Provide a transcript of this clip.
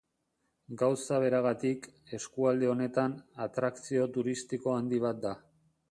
Gauza beragatik, eskualde honetan, atrakzio turistiko handi bat da.